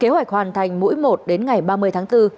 kế hoạch hoàn thành mỗi một đến ngày ba mươi tháng bốn